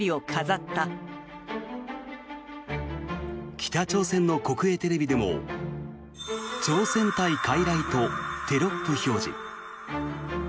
北朝鮮の国営テレビでも朝鮮対かいらいとテロップ表示。